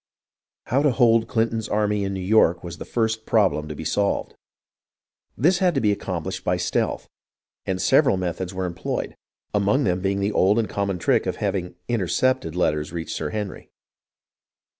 How to hold Clinton's army in New York was the first problem to be solved. This had to be accomplished by stealth, and several methods were employed, among them being the old and common trick of having "intercepted" letters reach Sir Henry.